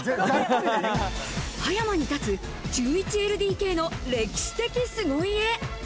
葉山に立つ１１ＬＤＫの歴史的凄家。